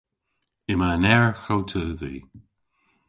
Yma'n ergh ow teudhi.